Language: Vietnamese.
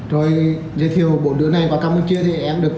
rồi giới thiệu bốn đứa này qua campuchia thì em được